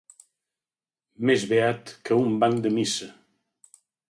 Més beat que un banc de missa.